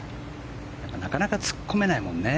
なかなか突っ込めないもんね。